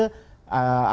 akan membayar susunan